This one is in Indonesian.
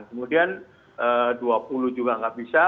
kemudian dua puluh juga nggak bisa